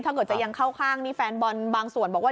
ถ้าเกิดจะยังเข้าข้างนี่แฟนบอลบางส่วนบอกว่า